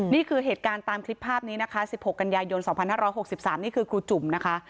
นี่คือเหตุการณ์ตามคลิปภาพนี้นะคะ๑๖กันยายน๒๕๖๓นี่คือครูจุ่มนะคะ